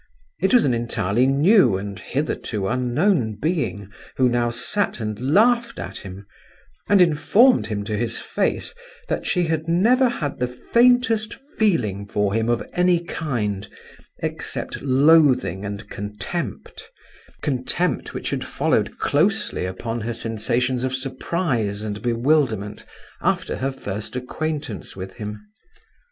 It was an entirely new and hitherto unknown being who now sat and laughed at him, and informed him to his face that she had never had the faintest feeling for him of any kind, except loathing and contempt—contempt which had followed closely upon her sensations of surprise and bewilderment after her first acquaintance with him.